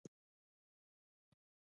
د بېلګې په توګه که یو کس زیات غسه شي